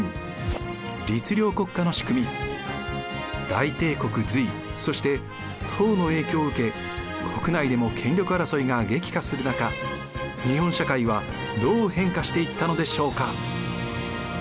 大帝国隋そして唐の影響を受け国内でも権力争いが激化する中日本社会はどう変化していったのでしょうか？